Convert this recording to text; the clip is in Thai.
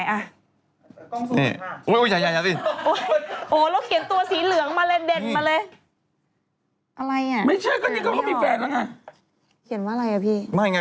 รู้แต่ตอนนั้นน่ะที่เค้าพบกับมานานทำลายมานะคะ